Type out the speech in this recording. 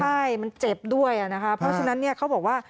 ใช่มันเจ็บด้วยนะคะเพราะฉะนั้นเนี่ยเขาบอกว่า